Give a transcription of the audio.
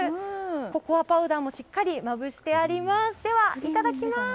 ココアパウダーもしっかりまぶしてあります。